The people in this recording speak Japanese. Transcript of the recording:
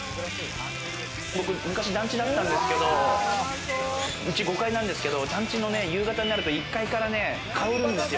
昔、団地だったんですけれど、うち５階なんですけれど、団地の夕方になると１階からね、香るんですよ。